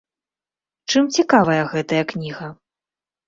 Чым цікавая гэтая кніга?